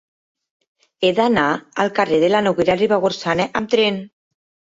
He d'anar al carrer de la Noguera Ribagorçana amb tren.